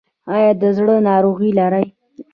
ایا د زړه ناروغي لرئ؟